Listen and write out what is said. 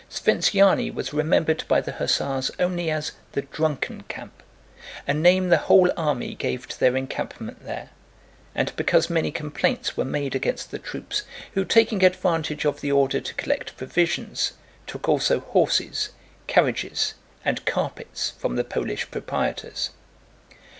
Sventsyáni was remembered by the hussars only as the drunken camp, a name the whole army gave to their encampment there, and because many complaints were made against the troops, who, taking advantage of the order to collect provisions, took also horses, carriages, and carpets from the Polish proprietors.